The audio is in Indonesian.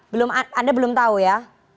belum anda belum tahu ya